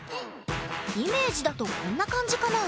イメージだとこんな感じかな？